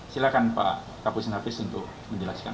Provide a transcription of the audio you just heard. silahkan pak kapus nafis untuk menjelaskan